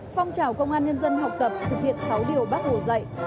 phong trào công an nhân dân học tập thực hiện sáu điều bác hồ dạy